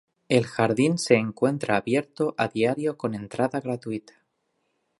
El jardín se encuentra abierto a diario con entrada gratuita.